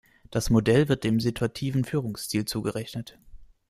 Das Modell wird dem Situativen Führungsstil zugerechnet.